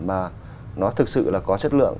mà nó thực sự là có chất lượng